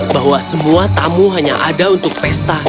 bahwa semua tamu hanya ada untuk pesta